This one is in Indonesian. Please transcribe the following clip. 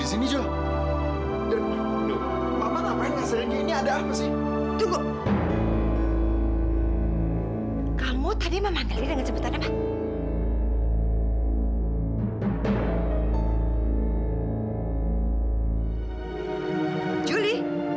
ini mita istri kakak kamu yang selama ini kita cari cari